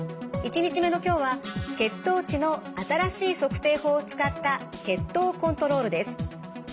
１日目の今日は血糖値の新しい測定法を使った血糖コントロールです。